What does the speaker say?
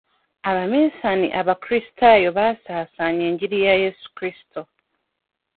Abaminsani abakulisitaayo baasaasaanya engiri ya yesu kristo.